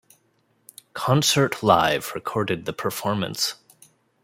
Concert Live recorded the performance.